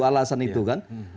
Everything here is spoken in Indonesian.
alasan itu kan